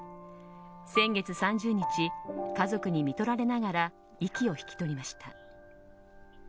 先月３０日家族にみとられながら息を引き取りました。